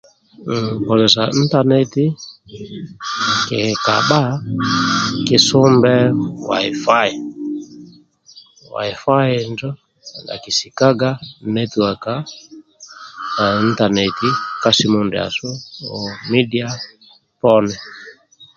Kozesa intaneti kikibha kisumbe waifai waifai injo akisikaga netiwaka ehh intaneti ka simu ndiasu oo midia poni